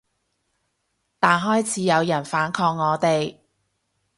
但開始有人反抗我哋